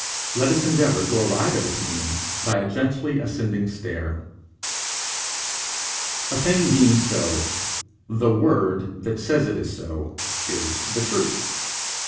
Let us endeavour to arrive at his meaning by a gently ascending stair. A thing being so, the word that says it is so, is the truth.